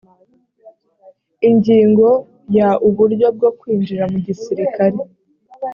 ingingo ya uburyo bwo kwinjira mu gisirikare